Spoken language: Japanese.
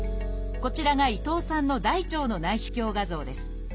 こちらが伊藤さんの大腸の内視鏡画像です。